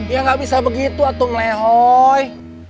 ya gak bisa begitu atung lehoi